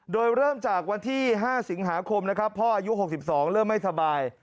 โดยเริ่มจากวันที่๕สิงหาคมนะครับพ่ออายุ๖๒เริ่มไม่สบาย